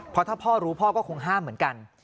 เพราะถ้าพ่อรู้พ่อก็คงห้ามเหมือนกัน